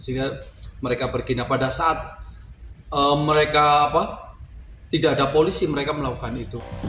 sehingga mereka bergina pada saat mereka tidak ada polisi mereka melakukan itu